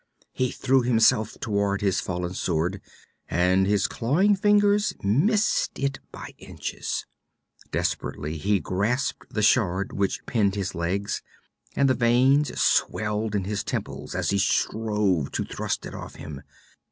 He threw himself toward his fallen sword, and his clawing fingers missed it by inches. Desperately he grasped the shard which pinned his legs, and the veins swelled in his temples as he strove to thrust it off him.